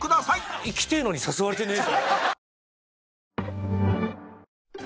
行きてえのに誘われてねえ。